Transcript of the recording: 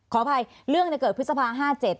ขออภัยเรื่องเนี่ยเกิดพฤษภาห้าเจ็ด